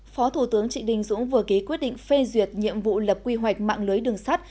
phó thủ tướng trịnh đình dũng vừa ký quyết định phê duyệt nhiệm vụ lập quy hoạch mạng lưới đường sắt